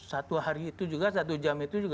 satu hari itu juga satu jam itu juga